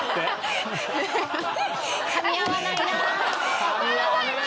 かみ合わないな。